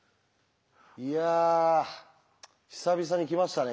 いや久々にきましたね